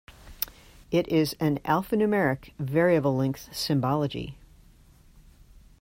It is an alphanumeric, variable length symbology.